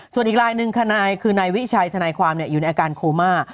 ส่วนอีกลายนึงคือในวิชัยสนัยความเนี่ยอยู่ในอาการโคม่า